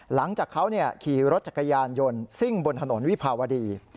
หลังจากเขาขี่รถจักรยานยนต์ซิ่งบนถนนวิภาวดี